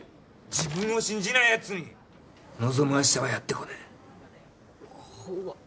自分を信じないヤツに望む明日はやってこない怖っ